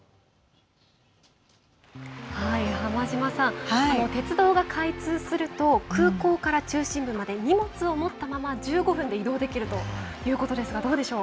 浜島さん、鉄道が開通すると、空港から中心部まで荷物を持ったまま１５分で移動できるとのことですがどうでしょう？